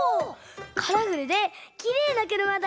カラフルできれいなくるまだね。